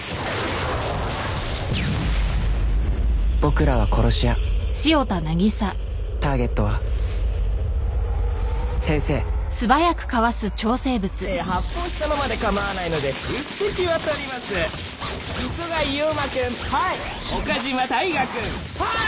僕らは殺し屋ターゲットは先生えー発砲したままで構わないので出席を取ります磯貝悠馬君はい岡島大河君はい！